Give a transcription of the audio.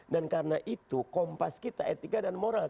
dan karena itu kompas kita etika dan moral